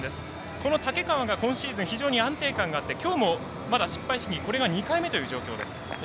この竹川が今シーズン非常に安定感があってきょうも失敗試技、２回目という状況です。